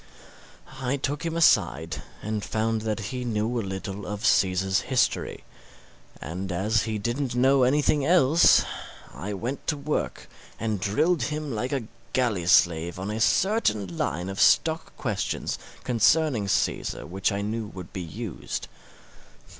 I took him aside, and found that he knew a little of Caesar's history; and as he didn't know anything else, I went to work and drilled him like a galley slave on a certain line of stock questions concerning Caesar which I knew would be used.